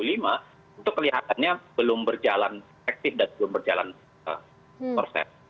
itu kelihatannya belum berjalan aktif dan belum berjalan berjalan